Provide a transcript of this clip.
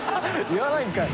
言わないんかい。